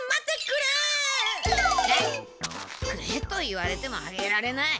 「くれ」と言われてもあげられない。